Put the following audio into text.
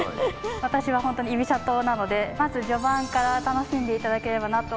私はほんとに居飛車党なのでまず序盤から楽しんでいただければなと思っております。